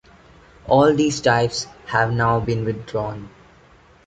All these types have now been withdrawn.